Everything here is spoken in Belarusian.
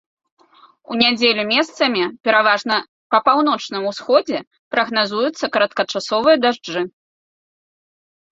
У нядзелю месцамі, пераважна па паўночным усходзе, прагназуюцца кароткачасовыя дажджы.